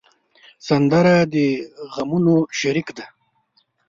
سندره د غمونو شریک دی